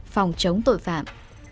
phòng chống tội phạm